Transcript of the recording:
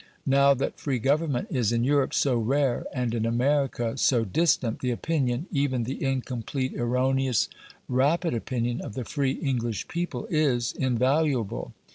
Now that free government is in Europe so rare and in America so distant, the opinion, even the incomplete, erroneous, rapid opinion of the free English people is invaluable.